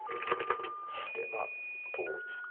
でまあどう打つか。